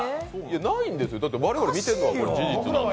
ないんですよ、我々見ているのが事実なんで。